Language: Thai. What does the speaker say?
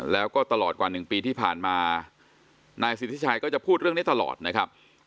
แล้วก็ตลอดกว่า๑ปีที่ผ่านมานายสิทธิชัยก็จะพูดเรื่องนี้ตลอดนะครับ